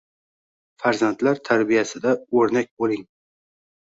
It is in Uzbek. Farzandlar tarbiyasida oʻrnak boʻling